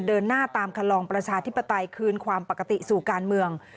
เดินหน้าตามคำลองประชาธิปไตยคืนความปกติสู่การเมือง